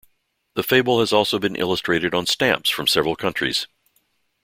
The fable has also been illustrated on stamps from several countries.